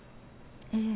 ええ。